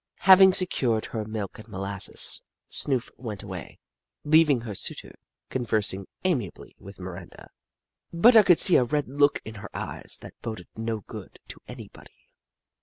Having secured her milk and molasses, Snoof went away, leaving her suitor conversing amiably with Miranda, but I could see a red look in her eyes that boded no good to anybody.